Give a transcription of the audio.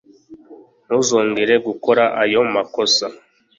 ntuzongere gukora ayo makosa